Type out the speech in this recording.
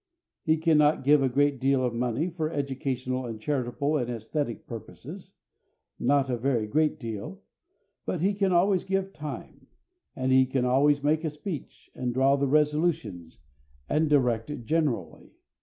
He cannot give a great deal of money for educational and charitable and æsthetic purposes not a very great deal but he can always give time, and he can always make a speech, and draw the resolutions, and direct generally.